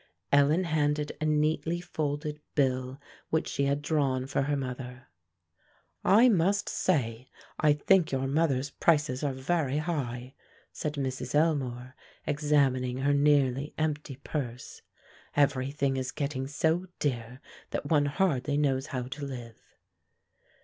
Ellen handed a neatly folded bill which she had drawn for her mother. "I must say, I think your mother's prices are very high," said Mrs. Elmore, examining her nearly empty purse; "every thing is getting so dear that one hardly knows how to live."